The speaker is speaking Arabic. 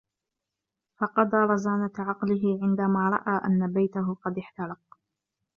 فقد رزانة عقله عندما رأى أن بيته قد احترق.